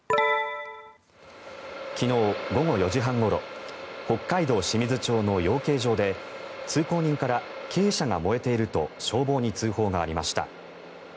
昨日午後４時半ごろ北海道清水町の養鶏場で通行人から、鶏舎が燃えていると消防に通報がありました。